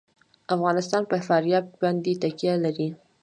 افغانستان په فاریاب باندې تکیه لري.